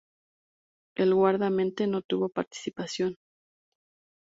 El guardameta no tuvo participación.